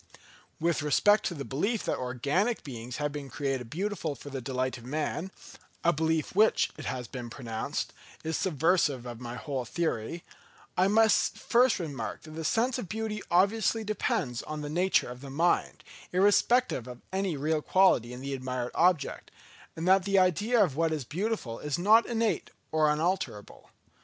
With respect to the belief that organic beings have been created beautiful for the delight of man—a belief which it has been pronounced is subversive of my whole theory—I may first remark that the sense of beauty obviously depends on the nature of the mind, irrespective of any real quality in the admired object; and that the idea of what is beautiful, is not innate or unalterable.